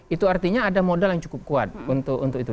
itu artinya ada modal yang cukup kuat untuk itu